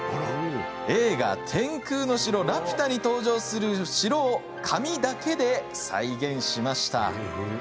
映画「天空の城ラピュタ」に登場する城を紙だけで再現しました。